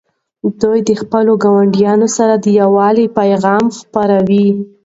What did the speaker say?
دوی د خپلو ګاونډیانو سره د یووالي پیغام خپروي.